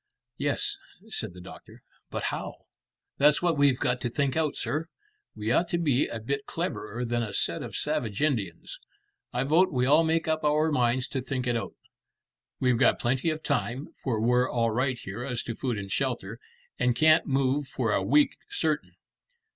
"Yes," said the doctor; "but how?" "That's what we've got to think out, sir. We ought to be a bit cleverer than a set of savage Indians. I vote we all make up our minds to think it out. We've got plenty of time, for we're all right here as to food and shelter, and can't move for a week certain."